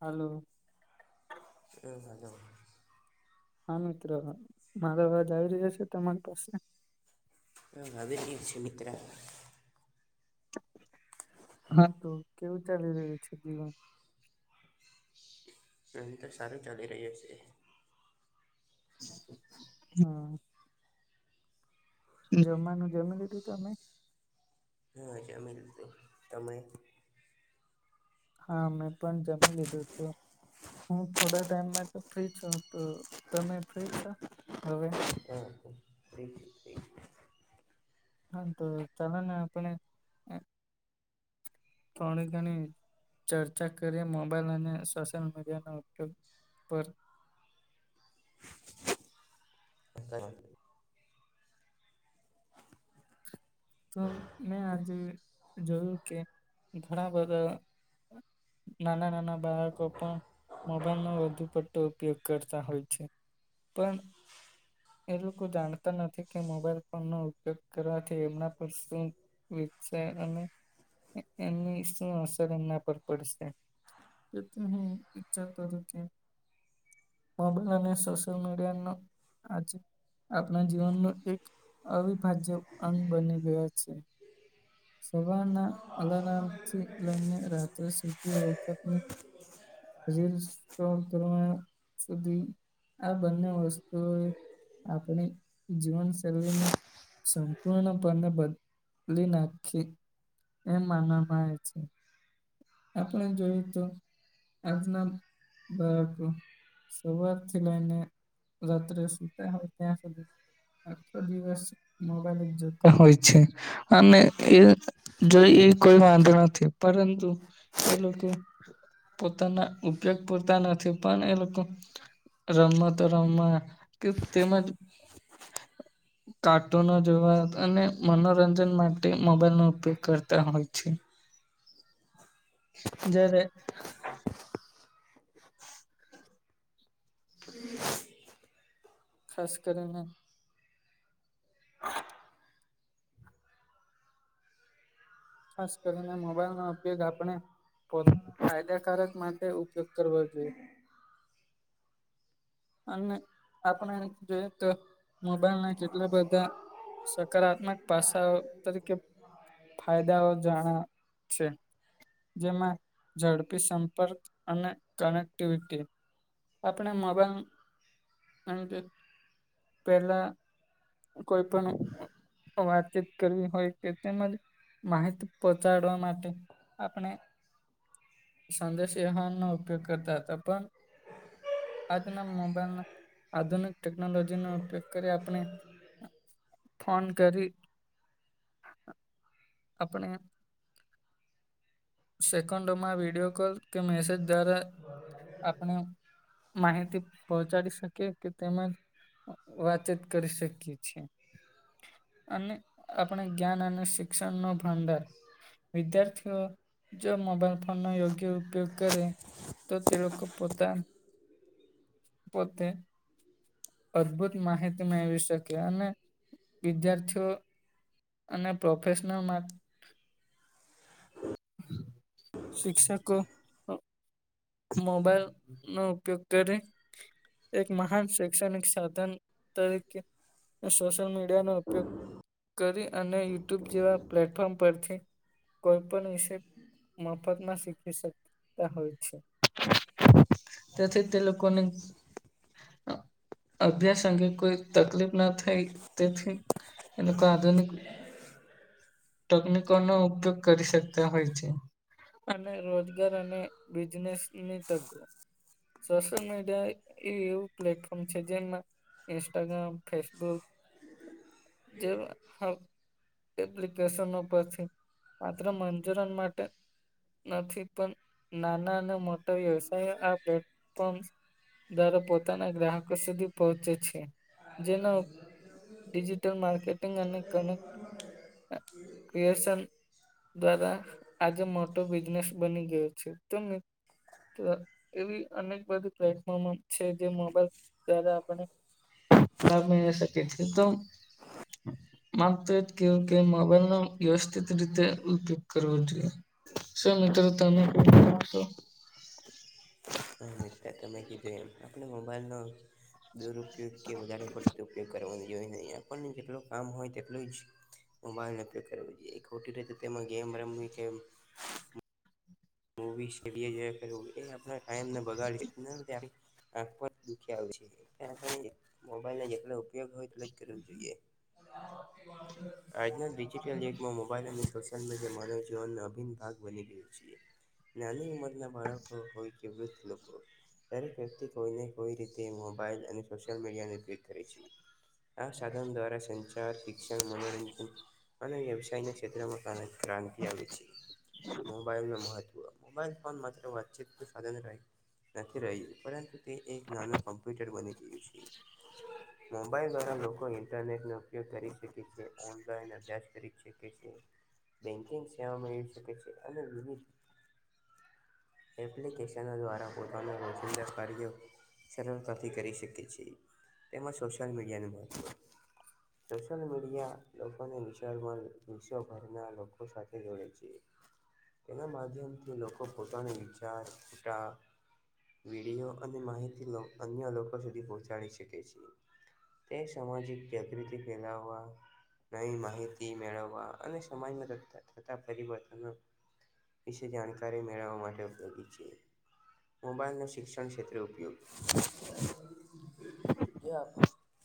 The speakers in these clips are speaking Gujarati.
હલો. એ વાજ હા મિત્રો મારાવાજ આવી રહ્યા છે તમારી પાસે. હ અ શષમિત્ર હા તો કેવું ચાલી રહ્યું છે જીવન. અ તો સારું ચાલી રહી છે એ હા [inaudible] [unintelligible] જમમાનું જમી લીધું તમે હા જમે તમે હા મેં પણ જમી લીધું હતું હું થોડા ટાઈમમાં તો ફ્રી છું તો તમે ફ્રી છો હવે હા [inaudible] [unintelligible] એ [inaudible] હા તો ચાલ ને આપણે તોડ ગની ચર્ચા કરી મોબાઈલ અને સોશિયલ મીડિયા ના ઉપયોગ પર હંધ [inaudible] તો મેં આજે જોયું કે ઘણા બધા નાના નાના બાળકો પણ મોબાઈલનોો વધુ પટ્ટો ઉપયોગ કરતા હોય છે પણ એ લોકો જાણતા નથી કે મોબાઈલ ફોન નો ઉપયોગ કરવાથી એમના પસ વસા અને એની શું અસર એમના પર પડશે. તે ત વિચચાર કરો કે મોબાઈલ અને સોશિલ મીડિયાનો. આજે આપણા જીવનનો એક અવિભાજ્ય અંગ બની ગયા છે. સવારના અલારમથી લઈને રાત્રે સુધી વખતની. શરી સુધી આ બંને વસ્તુ. આપણી જીવનશૈલીને સંપૂર્ણપણે લી નાખી એમ માનવામાં આવે છે. આપણે જોઈ તોું આજના બાળક શરૂઆત થી લઈને રાત્રે સુતા હોય, ત્યાં સુધી આો દિવસ મોબાઈલ જોતા હોય છે. અને એ જો એ કોઈ વાંધો નથી પરંતુ એ લોકો પોતાના ઉપયોગ પતા નથી, પણ એ લોકો રમવા તો રમવા કે તેમજ કાર્ટૂનો જોવા અને મનોરંજન માટે મોબાઈલ નો ઉપયોગ કરતા હોય છે. જ્યારે હમ ખાસ કરીને હા ખાસ કરીને મોબાઈલ નો ઉપયોગ આપણે ફાયદાકારક માટે ઉપયોગ કરવા જોઈએ અ આપણે જોઈએ તો મોબાઈલ ના જેટલા બધા સકારાત્મક પાસાઓ તરીકે ફાયદાઓ જાણા છે. જેમાં ઝડપી સંપર્ક અને કનેક્ટિવિટી આપણે મબા અને પેલા કોઈ પણ વાતચીત કરવી હોય, કે તેમજ માહિત પહોચાડવા માટે આપણે સદ સહનો ઉપયોગ કરતા પણ આજના મોબાઈલ આધુનિક ટેકનોલોજીનોો ઉપયોગ કરી આપણે ફોન કરી આપણે સેકન્ડોમાં વિડીિયો કોલ કે મેસેજ દ્વારા આપણે માહિતી પહોંચાડી શકે કે તેમજ વાતચીત કરી શકીએ છીએ. અને આપણે જ્ઞાન અને શિક્ષણ નો ભંડાર વિદ્યાર્થીઓ જો મોબાઈલ ફોન ન યોગ્ય ઉપયોગ, કરે તો તિલક પોતા પોતે અદભુત માહિતી મેળવી શકે અને વિદ્યાર્થીઓ અને પ્રોફેશનલ શિક્ષાકો મોબાઈલ નો ઉપયોગ કરીે એક મહાન શૈક્ષણિક સાધન તરીકે સોશલ મીડિયા નો ઉપયોગ કરી અને યુટ્યુબ જેવા પ્લેટફોર્મ પરથી કોઈ પણ વિષ મફતમાં શીખી શકતા હોય છે. તેથી તે લોકોને અભ્યાસ અંગે કોઈ તકલીફ ના થાય તેથી એ લોકો આધુનિક તકનીિક નો ઉપયોગ કરી શકતા હોય છે. અને રોજગાર અને બિઝનેસ ની તકો સોશિયલ મીડિયા એ એવું પ્લેટફોર્મ છે. જેમાં ઇન્સ્ટાગ્રામ ફેસબુક જે માત્ર મંજૂરન માટે નથી પણ નાના અને મોટા વ્યવસાય આ દાર પોતાના ગ્રાહકો સુધી પહોંચે છે. જેના ડિજિટલ માર્કેટિંગ અને કનેક્ટ કે ક્રિએશન દ્વારા આજે મોટો બિઝનેસ બની ગયો છે તો મ એવી અનેક બધી પ્લેટફોર્મ છે જે મોબાઈલ દ્વારા આપને મે શ કે તો માનતો કે કે મોબાઈલ નો વ્યવસ્થિત રીતે ઉપયોગ કરવો જોઈએ. મીટર તમેશો. અ તો કું આપણા મોબાઈલનો દુરુપયોગ કે વધારે પડતો ઉપયોગ કરવાની જોઈએ નહીં આપણને જેટલ કામ હોય તેટલું જ. મોબાઈલનો ઉપયોગ કરવો જોઈએ ખોટી રીતે તેમાં ગેમ રમવી કે મવીડીએ આપ ટાઈમને બગાડી. આંખો જ દુખી આવે છે મોબાઈલને જેટલો ઉપયોગ હોય એટલે જ કરવો જોઈએ. હ [inaudible] આજના ડિજિટલ યુગમાં મોબાઈલ અને સો માનવ જીવન ન અભિન ભાગ બની ગયું છે. ના્ઞની ઉંમરના બાળકો હોય કે વૃદ્ધ લોકો હોય. દરેક વ્યક્તિ કોઈને કોઈ રીતે મોબાઈઇલ અને સોશિયલ મીડિયાને ટ્વટ કરે છે. આ સાધન દ્વારા સંચાર શિક્ષણ મનોરંજન અને વ્યવસાયના ક્ષેત્રમાં ઘક ક્રાંતિ આવે છે મોબાઈલનું મહત્ત્વ મોબાઈલ ફોન માત્ર વાતચીત તો સાધન રહેહી નથી રહ્યું પરંતુ તે એક નાનું કોમ્પ્યુટર બની ગયું છે. મોબાઈલ દ્વારા લોકો ઇન્ટરનેટ નો ઉપયોગ કરી શકે છે ઓનલાઈન અભ્યાસ કરી. સેવીકે છે. એપ્લિકેશન દ્વારા પોતાના કો સુંદર કાર્ય સરળતાથી કરી શકે છે. એમાં સોશિયલ મીડિયાનું મળવ સોશિયલ મીડિયા લોકોને વિશાળમાં વિશ્વભરના લોકો સાથે જોડે છે. તેના માધ્યમથી લોકો પોતાનો વિચાર છૂટ વિડીયો અને માહિતી અન્ય લોકો સુધી પહોંચાડી શકે છે તે સામાજિક જાગૃતિ ફેલાવવા નવી માહિતી મેળવવા અને સમાજમાં થતા પરિવર્તન વિશે જાણકારી મેળવવા માટે ઉપયોગી છે. મોબાઈલનો શિક્ષણ ક્ષેત્રે ઉપયોગ જે આપ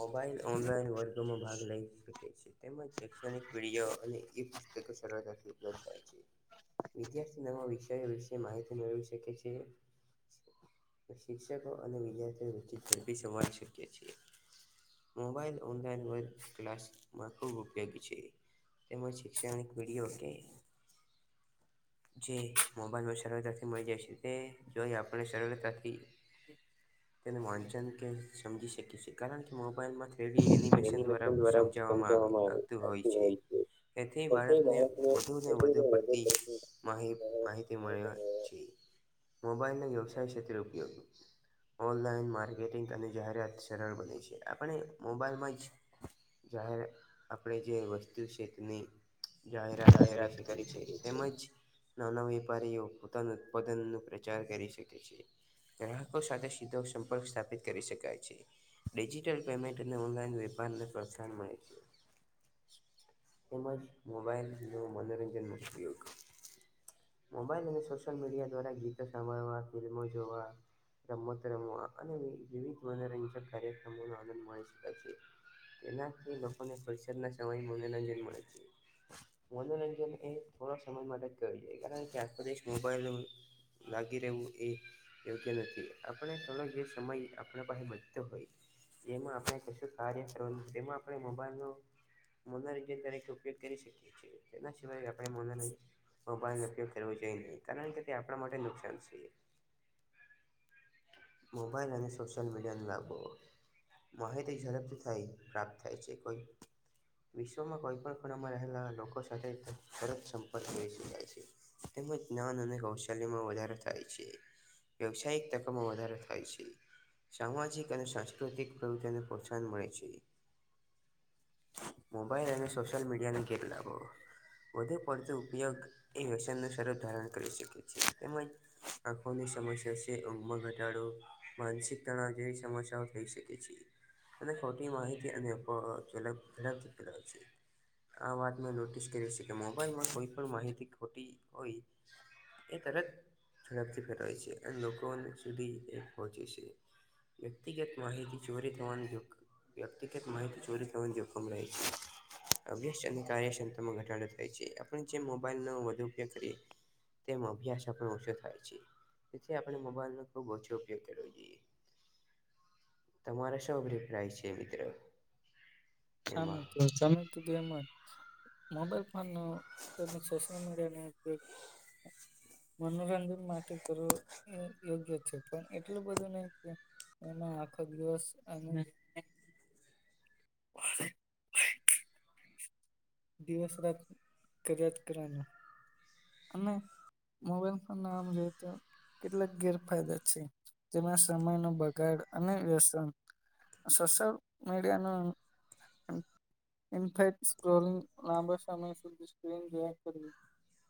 મોબાઈલ ઓનલાઈન વર્ગમાં ભાગ લઇ સકે છે. તેમજ શૈક્ષણિક વિડયો અને ઈ પુસ્તકોથી્ધ થાય છે. વિદ્યાર્થી નવા વિષયો વિશે માહિતી મેળવી શકે છે શિક્ષકો અને વિદ્યાર્થીઓ વચ ઝડપી સમાળ શકી છીએ મોબાઈલ ઓનલાઈન વર્ ક્લાસમાં ખૂબ ઉપયોગી છે તેમજ શિકષણિક પીઢઓ કે જે મોબાઈલમાં સરળતાથી મળી જાય છે તે જો આપને સરળતાથી. તે વાંચન કે સમજી શકી છે કારણ કે મોબાઈલ માંથી. તેવી એનિમેશન દ્વારા સમજાવવામાં આવતું હોય છે. તેથી બાળકને વધુ ને વધુ પડતી માહ માહિતી મળે છે. મોબાઈલ ન વ્યવસાય ક્ષેત્રે ઉપયોગ ઓનલાઈન માર્કેટિંગ અને જાહેરાત સરળ બને છે આપણે મોબાઈલમાં જ જાહેર આપણે જે વસ્તુ કેતની જાહેરાત કરી શકે છે તેમજ નાના વેપારીઓ પોતાના ઉત્પાદનનો પ્રચાર કરી શકે છે. ગ્રાહકો સાથે સીધો સંપર્ક સ્થાપિત કરી શકાય છે. ડિજિટલ પેયમેૅન્ટને ઓનલાઇન વ્યાપારને પ્રોસાાનમાં છે. તેમજ મોબાઈલનો મનોરંજનનો ઉપયોગ મોબાઈલ અને સોશિયલ મીડિયા દ્વારા ગીતો સાંભળવા ફિલ્મો જોવા. રમત રમવા અને વિવિધ મનોરંજક કાર્યક્રમોનોો આનંદ મા શકાય છે. તેનાથી લોકોને પરિસદ ના સમય મનોરંજન મળે છે. મનોરંજન એ થોડા સમય માટે એ કારણ કેારપ દેશ મોબાઈલ લાગ આપ સમય આપ પાસેતો હોય. એમાં આપણે કશું કાર્ય કરવાનું એમાં આપણે મોબાઈલ ન મનોરંજન તરીકે ઉપયોગ કરી શકીએ છીએ તેના સિવાય આપણે મનોરંજન. મોબાઈલનો કરવો જોઈ ન કારણ કે તે આપણા માટે નુકસાન છે. મોબાઈલ અને સોશિયલ મીડિયાને લાભો માહિત ઝડપથી થાય પ્રાપ્ત થાય છે કોઈ. વિશ્વમાં કોઈપણ ખૂણામાં રહેલા લોકો સાથે સરત સંપર્ક હો છે તેમ જાન અને કૌશલ્યમાં વધારો થાય છે. વ્યવસાયિક તકોમાં વધારો થાય છે. સામાજિક અને સાંસ્કૃતિક પ્રવૃત્તિઓને પ્રોત્સાહન મળે છે. મોબાઇલ અને સોશિયલ મીડિયાને કેેટ લાગો. વધુ પડતો ઉપયોગ એ વ્યસન ન સ્વરૂપ ધારણ કરી શકે છે તેમજ. આખોની સમસ્યા છે ઉ ઘટાડો માનસિક તણાવ જેવી સમસ્યાઓ થઈ શકે છે. અને ખોટી માહિતી અનેેેલા છે. આ વાત મેં નોટિસ કરી્યું છે કે મોબાઈલમાં કોઈ પણ માહિતી ખોટી હોય. એ તરત ઝડપથી ફેલાય છે અને લોકો સુધી એ પહોંચે છે. વ્યક્તિગત માહિતી ચોરીિતવાણ યોગ. વ્યક્તિગત માહિતી ચોરી કરવા જો હુમ રહેહી અ્યા કાર્યક્ષમાં ઘટાડો થાય છે જે મોબાઈલ ન વધુ ઉપયોગ કરીએ તેમ અભ્યાસ આપણ ઓછો થાય છે. તેથી આપણે મોબાઈલ નો ખુબ ઓછો ઉપયોગ કરવો જોઈએ તમારા શૌ અભિપ્રાય છે મિત્રો. સામે તો તમે કીધું એમ જ. મોબાઈલ ફોનનો તેમજ સોશિયલ મીડિયાનેગ મનોરંજન માટે કરવું એ યોગ્ય છે પણ એટલું બધું નહી કે એના આખો દિવસ અ હ દિવસ રાત કરિયાત કરવાનું અને મોબાઈલ ફોન નાજ તો. કેટલાક ગેરફાયદા છે તેમાં સમયનો બગાડ અને વ્યસન સોશલ મીડિયા નો. લાંબા સમય સુધી સ્ક્રીન ગયા કરવી.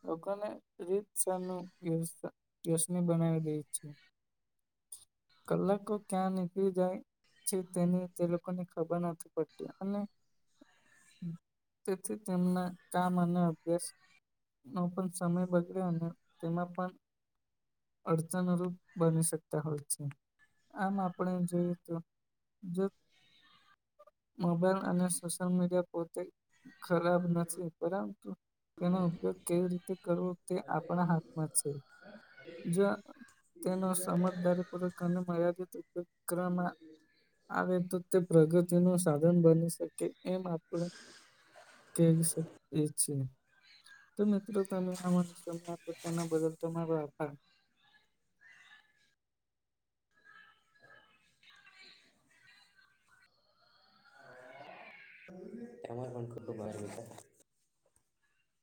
લોકોને રીતની બનાવી દે છે. કલા તો ક્યાં નીકી જાય. તેને તે લોકોને ખબર નથી પડતી અને તેથી તેમના કામ અને અભ્યાસ નો પણ સમય બગડે અને તેમાં પણ અડચણરૂૂપ બની શક. ય છે આમ આપણે જોઈએ તો મોબાઈલ અને સોશિયલ મીડિયા પોતે ખરાબ નથી. પરંતુ તેનો ઉપયોગ કેવી રીતે કરવો તે આપણા હાથમાં છે. જ તેનો સમ દરેક કામ માં અને મર્યાદિત ઉપયોગ કરવામાં આવે તો પ્રગતિ નું સાધન બની શકે એમ આપણ કે શ એ છે તો મિત્રો તમે આ મને સમય આપો તેના બદલ તમારો આભાર તમારો પણ ખૂબ ખૂબ આભાર મિત્ર